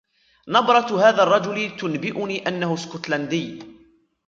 نبرة هذا الرجل تنبئني أنه اسكتلندي.